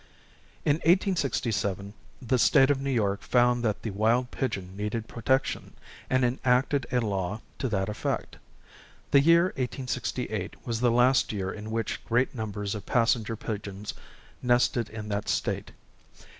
In 1867, the State of New York found that the wild pigeon needed protection, and enacted a law to that effect. The year 1868 was the last year in which great numbers of passenger pigeons nested in that State.